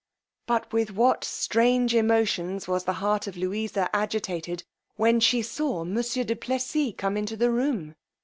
But with what strange emotions was the heart of Louisa agitated, when she saw monsieur du Plessis come into the room!